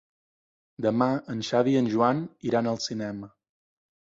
Demà en Xavi i en Joan iran al cinema.